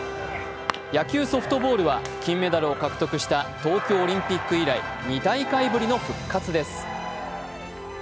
野球・ソフトボールは金メダルを獲得した東京オリンピック以来２大会ぶりの復活です。